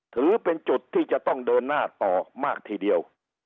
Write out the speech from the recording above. ถือเป็นจุดที่จะต้องเดินหน้าต่อมากทีเดียว